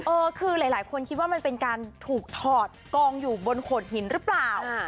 เออคือหลายคนคิดว่ามันเป็นการถูกถอดกองอยู่บนโขดหินหรือเปล่า